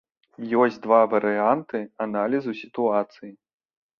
Ёсць два варыянты аналізу сітуацыі.